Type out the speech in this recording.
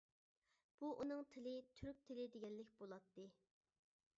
بۇ ئۇنىڭ تىلى تۈرك تىلى دېگەنلىك بۇلاتتى.